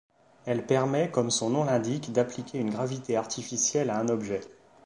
Elle permet comme son nom l'indique d'appliquer une gravité artificielle à un objet.